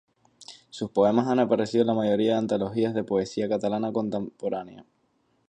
Sus poemas han aparecido en la mayoría de las antologías de poesía catalana contemporánea.